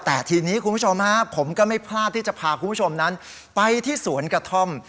แต่ทีนี้คุณผู้ชมฮะผมก็ไม่พลาดที่จะพาคุณผู้ชมนั้นไปที่สวนกระท่อม